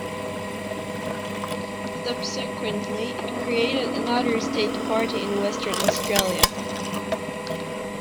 Subsequently, it created another state party in Western Australia.